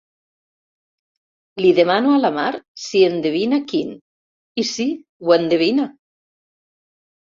Li demano a la Mar si endevina quin i sí, ho endevina.